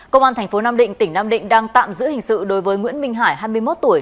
công an tp nam định tỉnh nam định đang tạm giữ hình sự đối với nguyễn minh hải hai mươi một tuổi